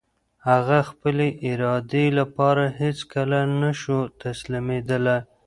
هغه د خپلې ارادې لپاره هېڅکله نه شو تسليمېدلی.